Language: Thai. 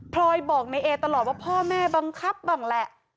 รอยบอกในเอตลอดว่าพ่อแม่บังคับบ้างแหละ